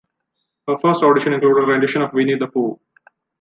Her first audition included a rendition of Winnie the Pooh.